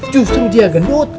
justru dia gendut